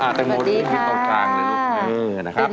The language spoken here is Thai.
สวัสดีครับ